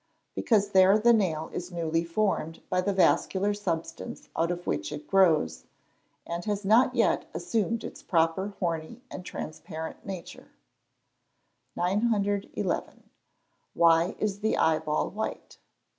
_ Because there the nail is newly formed by the vascular substance out of which it grows, and has not yet assumed its proper horny and transparent nature. 911. _Why is the eyeball white?